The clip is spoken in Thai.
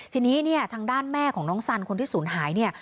ทีนี้ทางด้านแม่ของน้องสันคนที่ศูนย์หาย